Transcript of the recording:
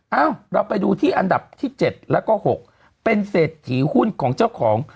เอ้าเราไปดูที่อันดับที่๗แล้วก็๖เป็นเศรษฐีหุ้นของเจ้าของ